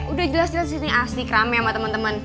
udah jelas jelas sini asik rame sama temen temen